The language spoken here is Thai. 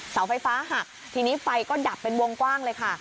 เสาไฟฟ้าหักทีนี้ไฟก็ดับเป็นวงกว้างเลยค่ะ